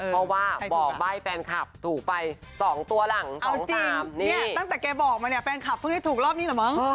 เพราะว่าบอกใบ้แฟนคลับถูกไป๒ตัวหลังเอาจริงเนี่ยตั้งแต่แกบอกมาเนี่ยแฟนคลับเพิ่งได้ถูกรอบนี้เหรอมั้ง